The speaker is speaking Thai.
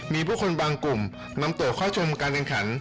มีผู้คนบางกลุ่มนำตัวเข้าชมการแข่งขัน